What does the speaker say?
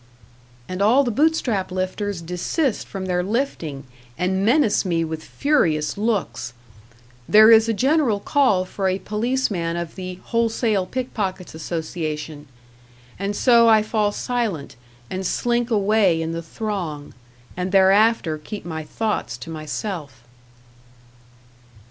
And all the Bootstrap lifters desist from their lifting, and menace me with furious looks. There is a general call for a policeman of the Wholesale Pickpockets' Association; and so I fall silent, and slink away in the throng, and thereafter keep my thoughts to myself.